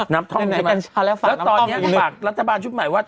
ท่อมใช่ไหมแล้วตอนนี้ฝากรัฐบาลชุดใหม่ว่า